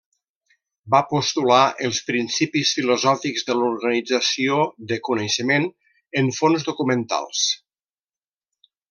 Va postular els principis filosòfics de l'organització de coneixement en fons documentals.